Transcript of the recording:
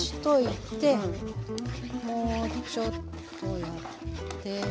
もうちょっとやって。